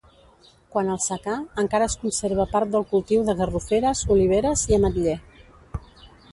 Quant al secà, encara es conserva part del cultiu de garroferes, oliveres i ametller.